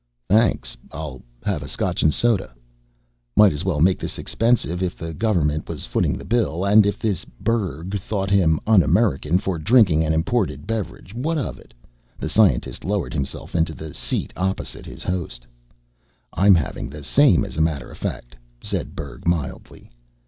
"Thanks, I'll have Scotch and soda." Might as well make this expensive, if the government was footing the bill. And if this Berg thought him un American for drinking an imported beverage, what of it? The scientist lowered himself into the seat opposite his host. "I'm having the same, as a matter of fact," said Berg mildly.